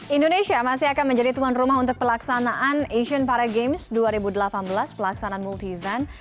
indonesia masih akan menjadi tuan rumah untuk pelaksanaan asian para games dua ribu delapan belas pelaksanaan multi event